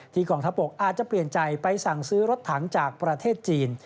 กองทัพบกอาจจะเปลี่ยนใจไปสั่งซื้อรถถังจากประเทศจีน